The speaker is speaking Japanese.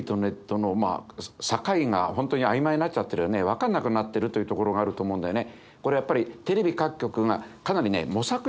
分かんなくなってるというところがあると思うんだよね。